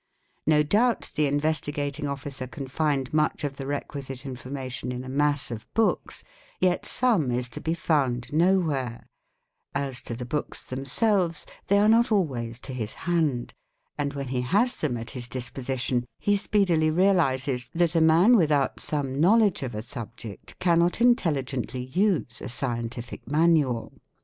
No doubt the Investigating Officer can find much ' of the requisite information in a mass of books, yet some is to be found, ~ nowhere ; as to the books themselves, they are not always to his hand, and when he has them at his disposition, he speedily realizes that a man without some knowledge of a subject cannot intelligently use a scientific manual.